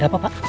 ada apa pak